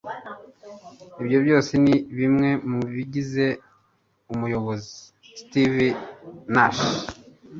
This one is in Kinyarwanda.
ibyo byose ni bimwe mu bigize umuyobozi. - steve nash